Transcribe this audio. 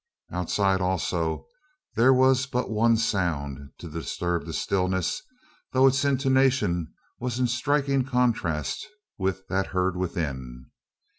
Outside also there was but one sound, to disturb the stillness though its intonation was in striking contrast with that heard within.